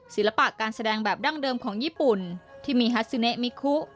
ศิลปะการแสดงแบบดั้งเดิมของญี่ปุ่นที่มีฮัสซูเนมิคุ